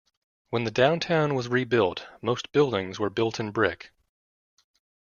When the downtown was rebuilt most buildings were built in brick.